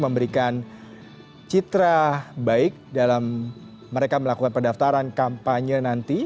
memberikan citra baik dalam mereka melakukan pendaftaran kampanye nanti